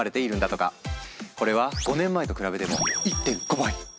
これは５年前と比べても１．５倍。